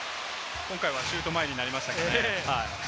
今回はシュート前になりましたね。